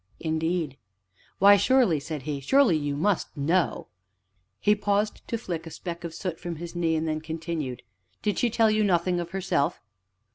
"Indeed?" "Why, surely," said he, "surely you must know " He paused to flick a speck of soot from his knee, and then continued: "Did she tell you nothing of herself?"